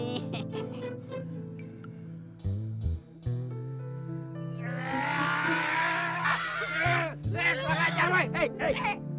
eh lo kurang ajar weh eh eh